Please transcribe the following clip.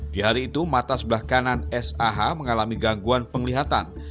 di hari itu mata sebelah kanan sah mengalami gangguan penglihatan